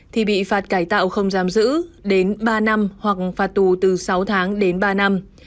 thì bị phạt cải tạo không giam giữ đến ba năm hoặc phạt tù từ sáu tháng đến ba năm